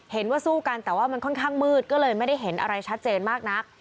สู้กันแต่ว่ามันค่อนข้างมืดก็เลยไม่ได้เห็นอะไรชัดเจนมากนัก